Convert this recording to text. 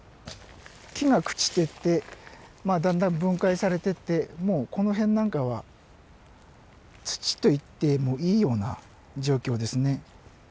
木が朽ちてってまあだんだん分解されてってもうこの辺なんかは土といってもいいような状況ですね。